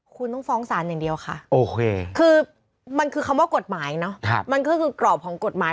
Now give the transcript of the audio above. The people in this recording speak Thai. คุณต้องฟ้องศาลอย่างเดียวค่ะคือมันคือคำว่ากฎหมายเนอะมันก็คือกรอบของกฎหมาย